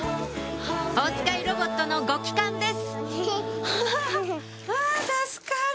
おつかいロボットのご帰還ですうわ助かる！